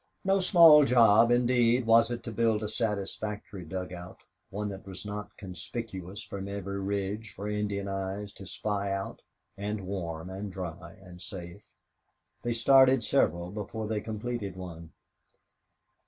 No small job, indeed, was it to build a satisfactory dugout one that was not conspicuous from every ridge for Indian eyes to spy out and warm and dry and safe. They started several before they completed one.